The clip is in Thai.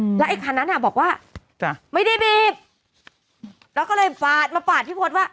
อืมแล้วไอ้คันนั้นเนี้ยบอกว่าจ้ะไม่ได้บีบแล้วก็เลยปาดมาปาดพี่โพสต์ว่า